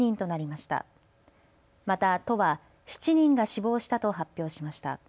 また都は７人が死亡したと発表しました。